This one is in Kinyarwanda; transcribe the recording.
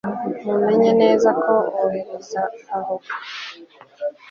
mumenye neza ko uhoraho